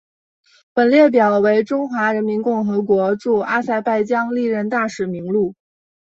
本列表为中华人民共和国驻阿塞拜疆历任大使名录。